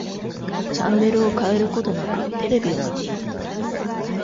チャンネルを変えることなく、テレビを見ていた。